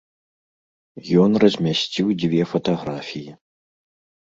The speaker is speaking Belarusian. Ён размясціў дзве фатаграфіі.